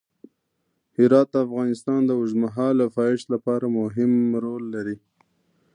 هرات د افغانستان د اوږدمهاله پایښت لپاره مهم رول لري.